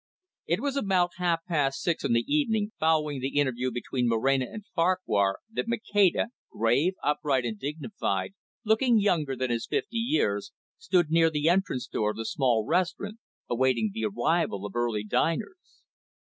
It was about half past six on the evening following the interview between Moreno and Farquhar that Maceda, grave, upright, and dignified, looking younger than his fifty years, stood near the entrance door of the small restaurant, awaiting the arrival of early diners.